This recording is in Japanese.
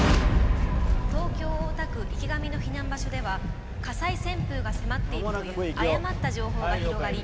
東京・大田区池上の避難場所では火災旋風が迫っているという誤った情報が広がり